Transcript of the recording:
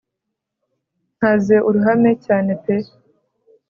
nkaze uruhame cyane pe